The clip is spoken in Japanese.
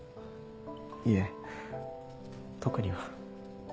いえ特には。